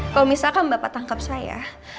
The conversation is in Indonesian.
kalau misalkan bapak tangkap saya